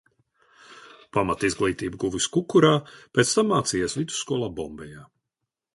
Pamatizglītību guvis Kukurā, pēc tam mācījies vidusskolā Bombejā.